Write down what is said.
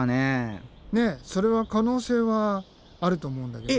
ねえそれは可能性はあると思うんだけど。